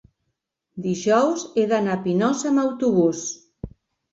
dijous he d'anar a Pinós amb autobús.